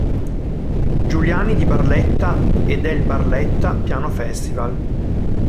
Giuliani' di Barletta e del Barletta Piano Festival.